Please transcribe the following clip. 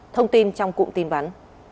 thông tin trong cụm tin bắn